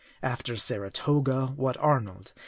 After Sara toga, what Arnold